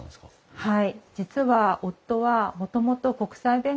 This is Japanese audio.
はい。